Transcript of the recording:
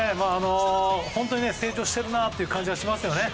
本当に成長しているなという感じがしますよね。